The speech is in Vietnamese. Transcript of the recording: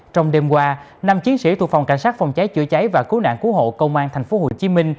trong đêm qua năm chiến sĩ thuộc phòng cảnh sát phòng cháy chữa cháy và cứu nạn cứu hộ công an tp hcm